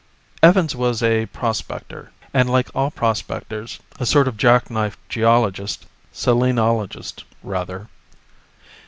Evans was a prospector, and like all prospectors, a sort of jackknife geologist, selenologist, rather.